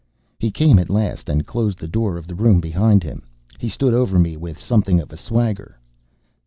He came at last, and closed the door of the room behind him. He stood over me with something of a swagger.